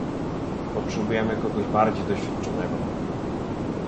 Potrzebujemy kogoś bardziej doświadczonego